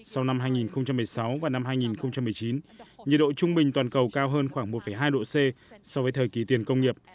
sau năm hai nghìn một mươi sáu và năm hai nghìn một mươi chín nhiệt độ trung bình toàn cầu cao hơn khoảng một hai độ c so với thời kỳ tiền công nghiệp